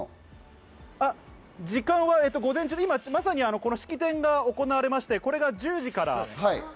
時間は午前中で、まさに今、式典が行われて、これが１０時から。